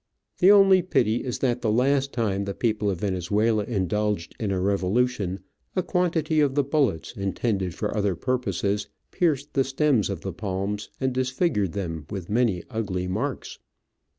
The only pity is that the last time the people of Venezuela indulged in a revolution, a quantity of the bullets Digitized by VjOOQIC OF AN Orchid Hunter. 31 intended for other purposes pierced the stems of the palms and disfigured them with many ugly marks.